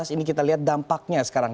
ini kita lihat dampaknya sekarang